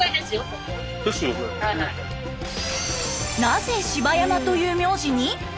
なぜ柴山という名字に？